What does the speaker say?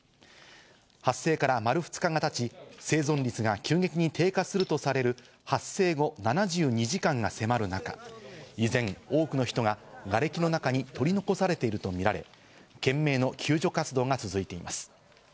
発生から丸２日が経ち、生存率が急激に低下するとされる発生後７２時間が迫る中、依然、多くの人ががれきの中に取り残されているとみられ、懸命の救助活動が続いています。